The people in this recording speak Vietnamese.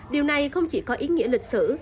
điều này không chỉ có ý nghĩa lịch sử